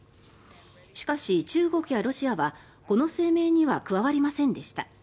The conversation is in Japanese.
しかし、中国やロシアはこの声明には加わりませんでした。